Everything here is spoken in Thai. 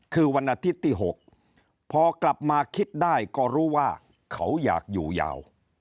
คือวันอาทิตย์ที่๖พอกลับมาคิดได้ก็รู้ว่าเขาอยากอยู่ยาว